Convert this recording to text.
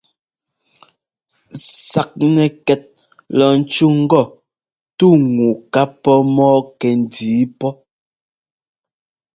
Saknɛkɛt lɔ ńcú ŋgɔ: «tú ŋu ká pɔ́ mɔ́ɔ kɛndǐi pɔ́».